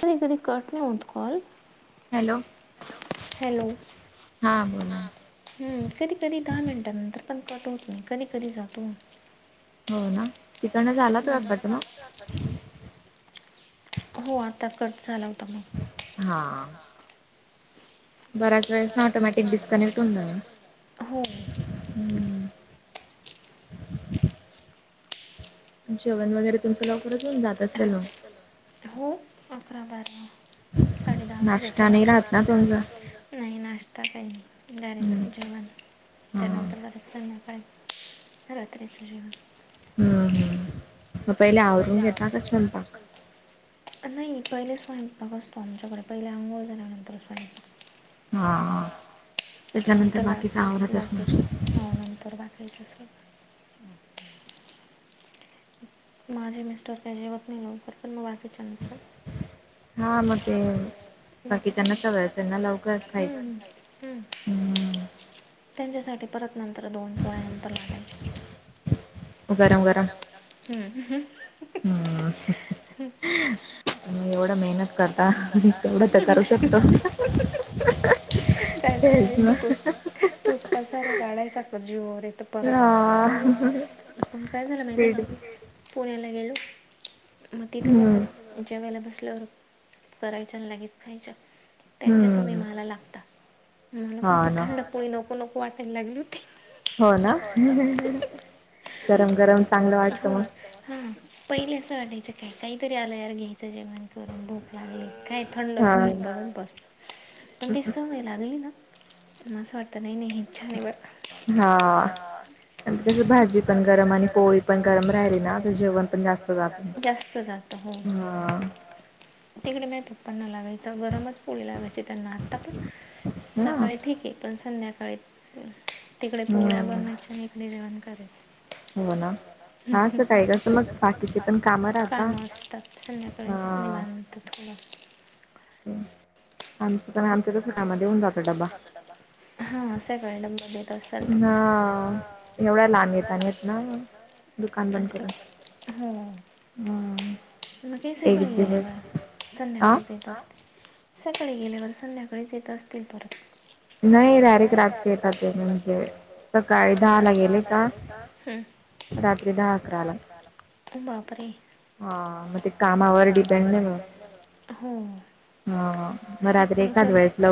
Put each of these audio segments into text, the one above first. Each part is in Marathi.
कधी कधी कट नाही होत कॉल. हॅलो, हॅलो हां. हम्म, कधी कधी दहा मिनिटांनंतर पण कट होत नाही, कधी कधी जातो. हो ना, तिकडनंच आला होता का कट मग? [unintelligible] हो, आता कट झाला होता. मग हां. बऱ्याच वेळेस ना ऑटोमॅटिक डिस्कनेक्ट होऊन जातो. हो जेवण वगैरे तुमचं, लवकरच होऊन जात असेल मगं. हो अकरा, बारा. साडे दहा जस नाश्ता नाही वाटल [unintelligible] राहत ना तुमचा? नाही नाश्ता काय नाही. नाही डायरेक्ट का? जेवण हां. त्यानंतर, लगेच संध्याकाळी रात्रीचं जेवण. हम. हम. मग पहिले आवरून घेता का स्वयंपाक. नाही पहिलेच स्वयंपाक असतो आमच्याकडे, पहिले अंघोळ झाल्यानंतरच स्वयंपाक. हां. हा त्याच्यानंतर नंतर बाकीचं आवरत असणार. बाकीच हो नंतर बाकीच अस अच्छा माझे मिस्टर काय जेवत नाहीत लवकर पण मग बाकीच्यांच हां मग ते हा बाकीच्यांना सवय असेल ना लवकर मग खायची. लवकर [unintelligible] त्यांच्यासाठी परत नंतर दोन पोळ्यानंतर लाटायच्या गरम गरम हम्म. हं मग एवढं मेहनत करता मी तेवढं तर करू शकतो तेच ना तोच पसारा काढायचा जीवावर येतं परत हां. आपण काय झालं माहिती स्पीड का? पुण्याला गेलो मग तिथं कस हं, जेवायला बसल्यावर करायच लगेच खायच्या त्यांच्या सवयी हं. मला लागत मला पण हां ना. तिथं प नको, नको वाटायलाच लागल होती हो ना गरम-गरम गरम, चांगलं गरम वाटतं मग. ताटावरती मग पहिले असं वाटायचं काय काहीतरी आलं यार घ्यायचं जे म्हण कर लागले काही थंड हां. गरम बघून बसत पण ती सवय लागली नां वाटत नाही, नाही हेच छान हां. आणि कस भाजी पण गरम आणि पोळी पण गरम राहिली ना जेवण पण जास्त जातं जास्त जातं हो हा तिकडे माझे पप्पांना लागायचं गरमच पोळी लागायची त्यांना आत्ता पण हां. सकाळी ठीक आहे पण संध्याकाळी तिकडे पोळ्या हं. बनवायच्या आणि इकडे जेवण करायचं हो ना हां, सकाळी कसं सकाळीच कस मग बाकीचे पण कामं राहता. काम असतात संध्याकाळी हां. निवांत ह आमचं पण आमच्या तर कामा मध्ये होऊन जातो डब्बा हा सगळ्यांना ब ह एवढ्या लहान येेतनाेत ना दुकान बंद म्हणजे करून हम मग ते सकाळी गेले का संध्याकाळी येतात आ सकाळी गेल्यावर संध्याकाळीच येत असतील परत नाही डायरेक्ट रात्री येतात ते सकाळी दहाला गेले का रात्री दहा, अकराला बापरे हा मग ते कामावर डिपेंड आहे ना ह एकाच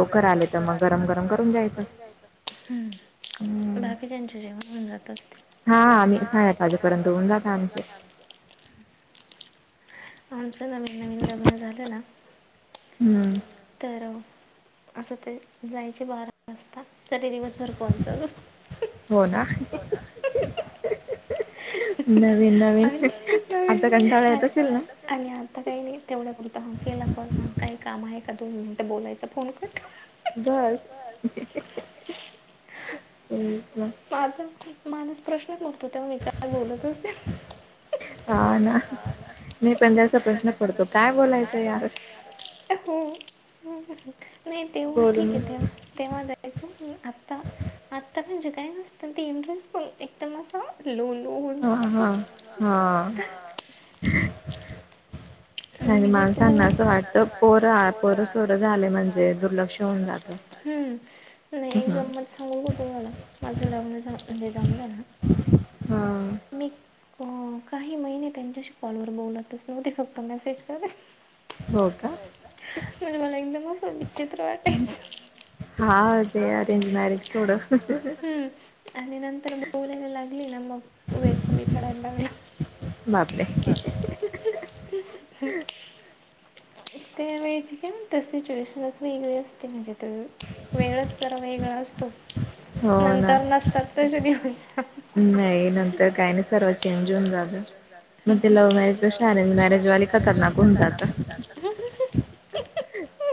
वेळेस लवकर आले तर मग गरम, गरम करून द्यायचं हम्म बाकी ज्यांचे जेवण होऊन जात असतील हा आम्ही साडेआठ वाजेपर्यंत होऊन जाता आमचे आमचं नवीन नवीन लग्न झालं ना हं. तर असं ते जायचे बारा वाजता तरी दिवसभर फोन चालू हो ना नवीन, नवीन आणि आता कंटाळा येत असेल ना आणि आता काही, नाही तेवढा पुरत केला फोन ह काही काम आहे का दोन मिनिटं बोलायचं फोन कट बस माझ माणस प्रश्नच उठतो तेव्हा मी काय बोलत असते हा ना मी पण त्याचा प्रश्न पडतो काय बोलायचं यार हो नाही तेव्हा बोलून ठीक आहे तेव्हा, तेव्हा आता आत्ता म्हणजे काय नसतं ती इंटरेस्ट बणते. तर म अस लो लो होऊन हां, हां, हां. [unintelligible] [inaudible] आणि म्हणजे माणसांना तुम्हाला असं वाटतं पोरं पोरं सोरं झाले म्हणजे दुर्लक्ष होऊन जात. ह हे एकदम म समवर दो नाला माझंला म उदे जामलं आ हा हा मी काही महिने त्यांच्याशी कॉलवर बोलतच नव्ह ते फक्त मेसेज करे हो का म्ह मला एकदम असं विचित्र वाटायच. हा ते अरेंज मॅरेज थोडं आणि नंतर यला लागली ना मग वेर कमी पडायला ब बापरे [inaudible] [inaudible] ते व का सिच्युएशनच वेगळी असते म्हणजे ते वेगळच जरा वेगळा असतो. हो ना. नंतर नसतात तझ दिवस नाही न तर काही नाही सरव चेंज होऊन जात. मग ते लव्ह मॅरेज कशी अरेंज मॅरेजवाली खतरनाक होऊन जातात.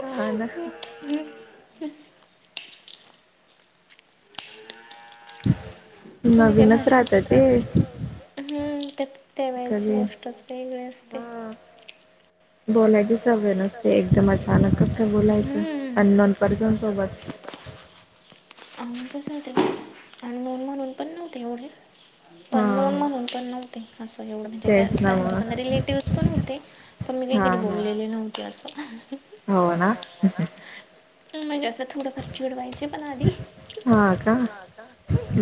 हा ना तुम्ही काय नवीनच माझ्या राहतं ते राहाता हम्म ते ते व्हायची कधी गोष्टच वेगळी असते. बोलायचे सवय नसते एकदम अचानक कस काय बोलायचं हं. अननॉन पर्सन सोबत [inaudible] अ त आणि नन म्हणून पण नव्हते एवढे हा पण नोन म्हणून पण नव्हते. असं एवढं तेच ना म्हणजे पण मग रिलेटिव्ह पण होते पण मी हा हा नव्हती असं हो ना. ह म्हणजे असंथडं फार चुडवायचे पणाली हां का?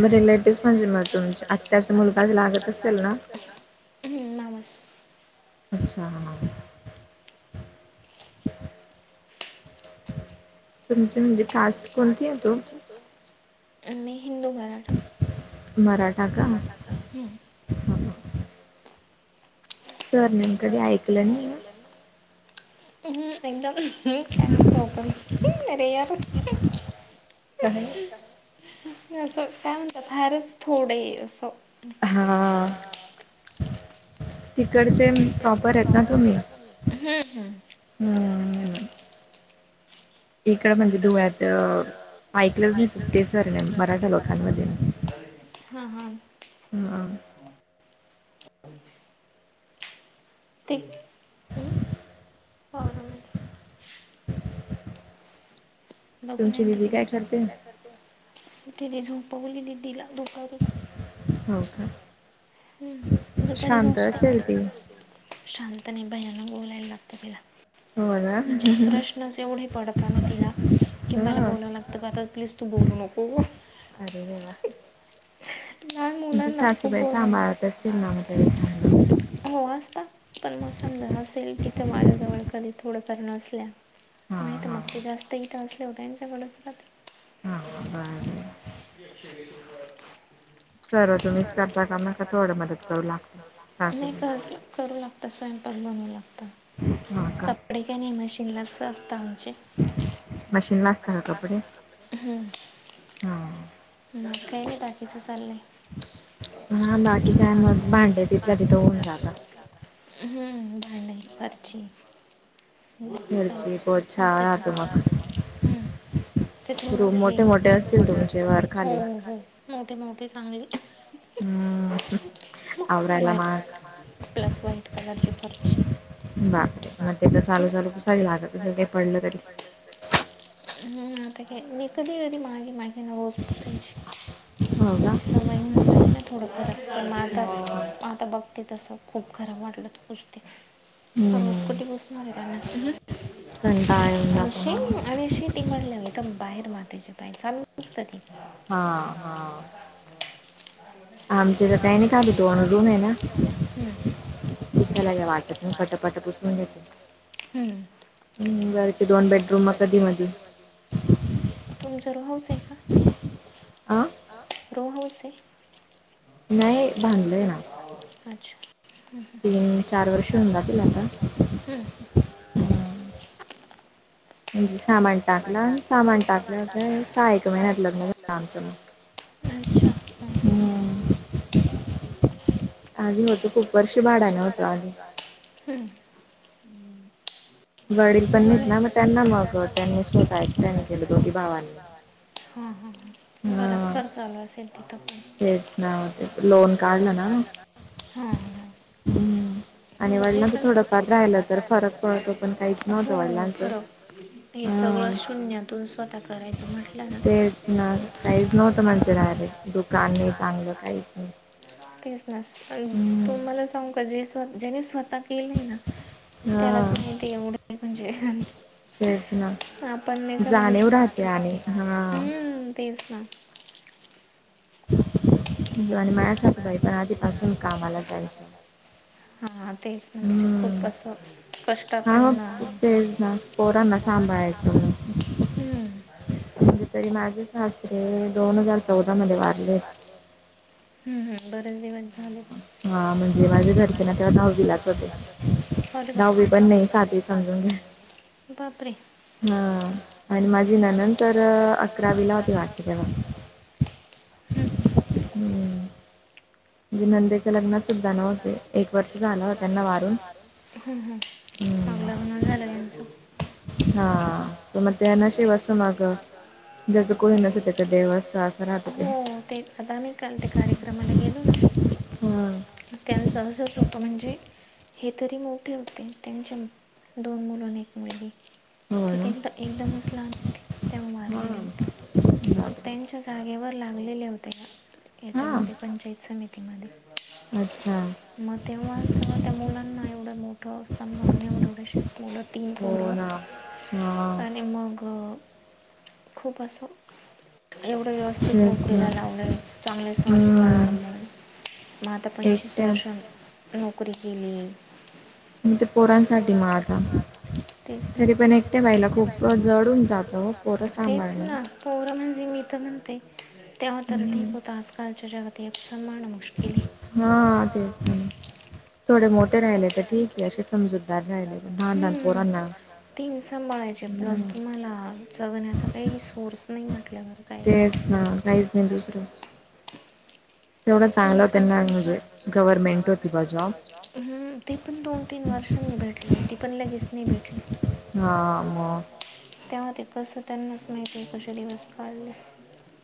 मग रिलेटिव्हज म्हणजे मग तुमच्या आत्याचा मुलगाच आजच लागत मुलग असेल ना? लागतच् नमस् अच्छा ह [inaudible] तुमची म्हणजे कास्ट कोणती आहे तु-' हिंदू मराठा. मराठा का हम्म [inaudible] सर नेमकडे ऐकलं नाही. आहे. हम् एंद तोकर यार [inaudible] का असं काय म्हणतात फहेारच थोडं असं हां तिकडचे प्रॉपर आहेत ना तुम्ही. हम्म इकडं इकड म्हणजे धुळ्यात तुम्ही अ, आता ऐकलंच ऐकलं नाही ते सरनेम सर मराठा मरा लोकांमध्ये झालोठांमध्ये हा हा ह ह ते पा [unintelligible] बघून या तुमची दीदी काय करते? तिकडे झोपवली तिला दुपारी हो का. हम बरी जाऊन शांत असेल ती. शांत नाही भयाना बोलायला लागत तिला. हो ना? म्हणजे प्रश्न जेवढे पडता ना तिला कि मला हां. बोलावं लागतं ब आता प्लीज तू बोलू नको. अरे देवा लहान तुमचा मुलांना खूप सासूबाई बोलावं सांभाळत असतील ना [unintelligible] हो असता पण म समजा असेल तिथं माझ्याजवळ कधी थोड तर नसल्या हा नाही तर मग ते हा जास्त इथं असल्यावं त्यांच्याकडच रहाते. [unintelligible] [inaudible] सर्व [unintelligible] तुम्हीच करता का मग का थोडं मदत करू लागता? नाही सासूबाई कर करु लाग आता स्वयंपाक बनवंला आता हा का कपडे काय नाही मशीनलाच असते आमचे मशीन ला असता का कपडे हम्म हा म काही नाही बाकीचं चाललंय. हा बाकी काय मग भांडे तिथल्या तिथं होऊन जातात. हम्म भांडे परछी फरशी पोछा राहतो मग [unintelligible] हम्म ते ठो रूम हे मोठे मोठे तुमचे असतील वर खाली. तुमचे हो मोठे मोठे चांगले हम्म आवरायला व्हाईट माग [unintelligible] प्लस व्हाईट कलरची खुर्ची बापरे मग ते एकदा चालू झालं कुसळ लागत असेल ते पडलं तरी हम्म आता काय मी कधी कधी मागे मागे ना रोज पुसयची. हो का? ती सवय होऊन जाते ना थोड थोड म आता हा आता बघ ते तसं खूप खराब वाटलं त पुसते रोज हम्म कुठे पुसणारे [unintelligible] कंटाळा येऊन जातो आळशी ना. आळशी ती म्हनल्याव एकदम बाहेर मातीेची पाय चालूच रहाते. हा हा आमच्या इथ काय नी चालू तो रूमये ना हम्म, पुसायला काही वाटत नाही पटापटा पुस [unintelligible] हम्म वरचे दोन बेडरूम मग कधी मधी तुमच रो हाऊसे का? अ आ रो हाऊसे [unintelligible] नाही बांधलंय अच्छा ना. हम्म हम्म तीन चार वर्ष [unintelligible] हम्म हम्म म्हणजे सामान टाकलं आण सामान टाकल्यावं सहा एक महिन्यात लग्न झाल आमंच मग अच्छा हम्म हम्म आधी होतो खूप वर्ष भाड्याने होतो आधी हम्म वडील पण नाहीत ना बरेच मग त्यांना मग त्यांनी स्वतः एकट्यानी त्यांनी केलं दोघी भावाांनी हा हा हा बराच खर्च चालू असेल. पण तेच ना ते लोन काढलं ना हां हां हम्म आणि बरे वडिलांच पण थोडंफार राहिलं तर फरक पडतो पण काहीच नव्हतं वडिलांचं. ते सगळं हं. शून्य तू स्वतः करायच म्हटलं ना तेच ना [unintelligible] कान नाही चांगलं काहीच नाही. तेच ना हं. तुम्हाला सांगू का जे ज्यांनी स्वतः केलंय नाही ना त्यालाच हां माहिती येवढ म्हणजे तेच ना आपण नाही समजू जाणीव राहते शकत आणि [unintelligible] हां. हम्म तेच ना तुझा आणि माझ्या सासूबाई पण आधीपासून कामाला जायचा. हा तेच म्हणजे, खूप असं... कष्टातून हा तेच ना, पोरांना सांभाळायचं म्ह.... हम्म, म्हणजे तरी माझे सासरे दोन हजार चौदा मध्ये वारलेत. हम्म हम बरेच दिवस झालेत. हां म्हणजे माझे घरचे हावाज तेव्हा करते ना दहावीलाच होते. तेव्हालाच बाप दहावी नाू पण सातवी नाही साधू समजून घ्या सांग. बापरे.. हा... आणि माझी ननंद तर अकरावीला होती वाटते, तेव्हा.. हम्म हम्.. हम्म. म्हणजे नंदेच्या लग्नात सुद्धा नव्हते, एक वर्ष झालं हो त्यांना वारून हम् हम मागला हम्म म्हनुन झाल यांचं. हा तर मग त्या ते काय असं नशीब मग असत माणसाच, ज्याचं कोणी नसतं त्याचं देव असतं असं कधीकडून राहतं ते हो तेच, आता आम्ही काल त्या कार्यक्रमाला गेलो ना... हम् त्यांचं असंच होतं म्हणजे? हे तरी मोठे होते, त्यांच्या दोन मुल एक मुलगी.. ति तर हा एकदमच लहान होती, तेव्हा हो ना हा वारलेले होते. बापरे ''त्यांच्या जागेवर लागलेले होते हा याच्यामध्ये, पंचायत समितीमध्ये... [inaudible] अच्छा.. मग तेव्हाच त्या मुलांना एवढं मोठं सांभाळण्यावर एवढे शेच मुलं.... तीन हो पोरं ना हा आणि मग.... खूप... असं... एवढं व्यवस्थित तेच ना नोकरीला लावले, चांगले संस्कार हम्म म्हण... मग, आता पंचवीस एकट्या वर्ष नोकरी केली. ते पोरांसाठी मग आता, तेच ना तरी पण एकट्या बाईला खूप जड होऊन जातं. पोरं सांभाळन... पोर म्हणजे मी तर म्हणते तेव्हा तर ठीक हम्म. होतं आजकालच्या जगात एक समान मुश्किल केली. हा तेच न थोडे मोठे राहिले तर ठीक आहे असे समजूतदार राहिले पण लहान लहान हम्म. पोरांना. तीन सांभाळायचे प्लस हम्म. तुम्हाला, जगण्याचा काही सोर्स नाही म्हटल्यावर... काही तेच ना... काहीच नाही दुसरं... तेवढं तेवढ चांगलं त्यांना म्हणजे केल, होती बा गव्हर्नमेंट जॉब. होता जॉब. ती पण दोन तीन वर्षांनी भेटली, ती पण लगेच नाही भेटली. हा.. मग... तेव्हा त कसं त्यांनाच माहिती आहे कसेे दिवस काढले...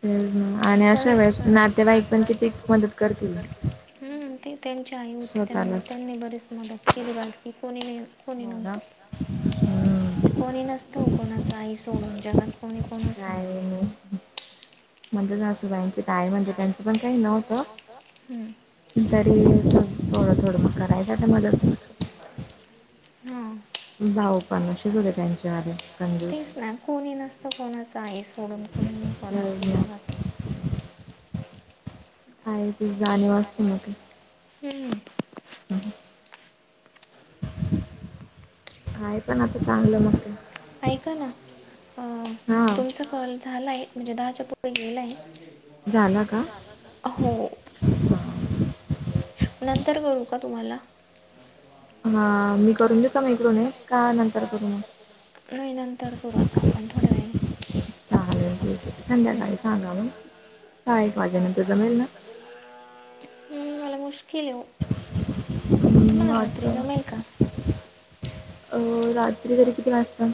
तेच ना आणि अशा वेळेस नातेवाईक पण किती मदत. करतील ह् ते त्यांची आई होती त्यामुळे स्वतःलाच. त्यांनी बरीच मदत. केली बाकी कोणी नाही. कोणी हो ना. नव्हतं हम्म, कोणी नसतं कोणाच आई सोडून जगात कोणी कोणाच नाही्. म्हणजेसूबाईची काय म्हणजे त्यांचं पण काही नव्हतं. हम्म, तरी स थोडं थोडं मग करायचं मदत्. हम. भाऊ पण असेच होते त्यांच्यावाले कंजूस तेच ना कोणी नसतं कोणाचं आहे सोडून कोणी नाही खरंच कोणाचं ना जगात आहे ती जण. हम्म. हम् [inaudible] काय पण आता चांगलं मग काय. ऐका ना अ हा तुमचा कॉल. झालाय म्हणजे दहाच्या पुढे गेलाय. झाला का झाला का हो. नंतर करू का तुम्हाला? हां. हा मी करून घेऊ का म्हटलं मि का करू मग नंतर करु? नाही नंतर करू आता आपण थोड्या वेळानी. चालेल संध्याकाळी सांगा मग सहा एक वाजे नंतर जमेल ना? मला मुश्किल आहे. म तुम्हाला रात्री आता जमेल का अ रात त्री तरी किती वाजता?